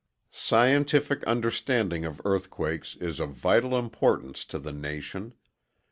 _] Scientific understanding of earthquakes is of vital importance to the Nation.